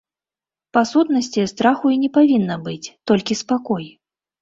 Па сутнасці, страху і не павінна быць, толькі спакой.